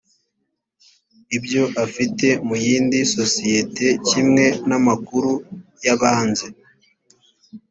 ibyo afite mu yindi sosiyete kimwe n’amakuru y’ibanze